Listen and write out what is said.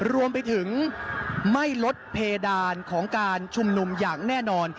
รวมไปถึงไม่ลดเพดานของการชุมนุมอย่างแน่นอน